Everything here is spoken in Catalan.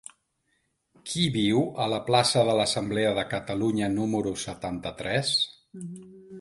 Qui viu a la plaça de l'Assemblea de Catalunya número setanta-tres?